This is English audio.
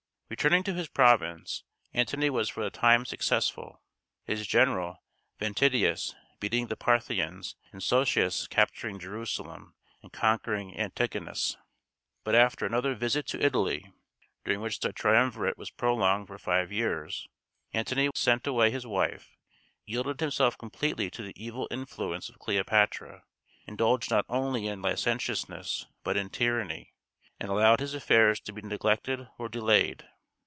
Returning to his province, Antony was for a time successful; his general, Ventidius, beating the Parthians, and Socius capturing Jerusalem and conquering Antigonus. But after another visit to Italy, during which the triumvirate was prolonged for five years, Antony sent away his wife, yielded himself completely to the evil influence of Cleopatra, indulged not only in licentiousness, but in tyranny, and allowed his affairs to be neglected or delayed.